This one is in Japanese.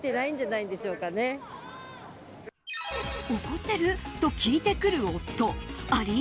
怒ってる？と聞いてくる夫あり？